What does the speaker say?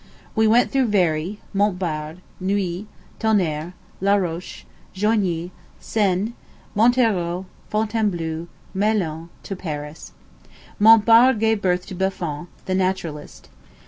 We went through Verrey, Montbard, Nuits, Tonnerre, La Roche, Joigny, Sens, Montereau, Fontainebleau, Melun, to Paris. Montbard gave birth to Buffon, the naturalist.